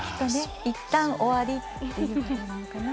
いったん終わりっていうことなのかな。